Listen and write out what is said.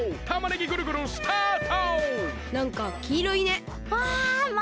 たまねぎぐるぐるスタート！